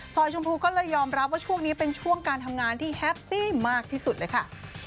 ชมพูก็เลยยอมรับว่าช่วงนี้เป็นช่วงการทำงานที่แฮปปี้มากที่สุดเลยค่ะ